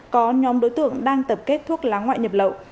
có nhóm đối tượng đang tập kết thuốc lá ngoại nhập lậu